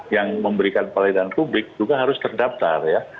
yang memberikan pelayanan publik juga harus terdaftar ya